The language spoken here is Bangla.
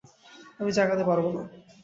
আমি জাগাতে পারব না।